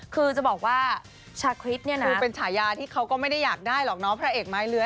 คือจะบอกว่าชาคริสเนี่ยนะคือเป็นฉายาที่เขาก็ไม่ได้อยากได้หรอกเนาะพระเอกไม้เลื้อ